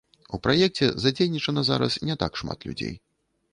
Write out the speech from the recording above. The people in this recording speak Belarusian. У праекце задзейнічана зараз не так шмат людзей.